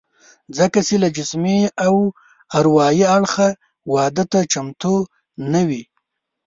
ځکه چې له جسمي او اروايي اړخه واده ته چمتو نه وي